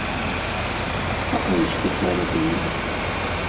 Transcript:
Sseqdec tasarut-nnek.